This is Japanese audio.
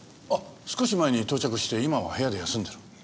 少し前に到着して今は部屋で休んでる。